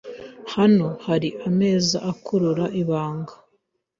Hano hari ameza akurura ibanga.